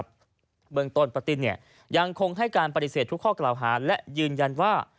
เบื้องต้นป้าติ้นยังคงให้การปฏิเสธทุกข้อกล่าวหาและยืนยันว่า